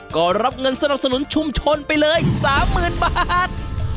ก็รับเงินสนับสนุนชุมชนไปเลย๓๐๐๐บาท